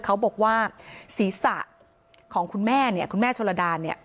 เขาบอกว่าศีรษะของคุณแม่เนี่ยคุณแม่โชลดาเนี่ย